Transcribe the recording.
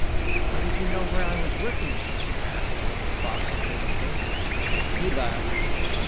"How did you know where I was working?" she asked, as the thought occurred to her. He laughed.